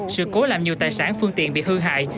sự cố làm nhiều tài sản phương tiện bị hư hại